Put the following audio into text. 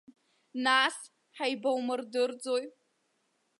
Нас ҳаибаумырдырӡои?!